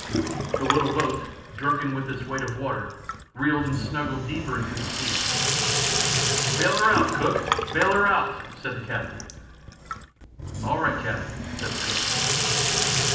The little boat, drunken with this weight of water, reeled and snuggled deeper into the sea. "Bail her out, cook! Bail her out," said the captain. "All right, captain," said the cook.